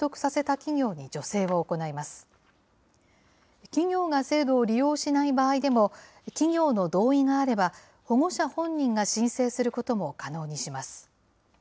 企業が制度を利用しない場合でも、企業の同意があれば、保護者本人が申請することも可能にします。